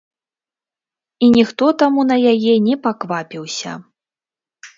І ніхто таму на яе не паквапіўся.